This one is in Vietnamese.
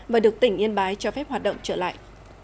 và được tỉnh yên bái cho phép hoạt động trở lại